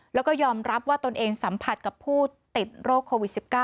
แล้วก็ยอมรับว่าตนเองสัมผัสกับผู้ติดโรคโควิด๑๙